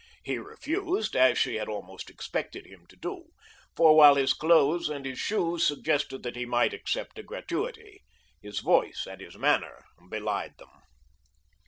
He refused, as she had almost expected him to do, for while his clothes and his shoes suggested that he might accept a gratuity, his voice and his manner belied them.